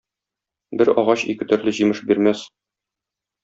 Бер агач ике төрле җимеш бирмәс.